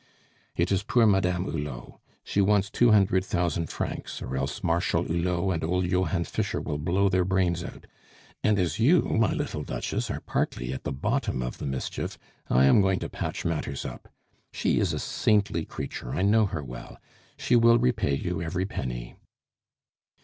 "It is poor Madame Hulot. She wants two hundred thousand francs, or else Marshal Hulot and old Johann Fischer will blow their brains out; and as you, my little Duchess, are partly at the bottom of the mischief, I am going to patch matters up. She is a saintly creature, I know her well; she will repay you every penny."